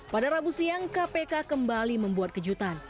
pada rabu siang kpk kembali membuat kejutan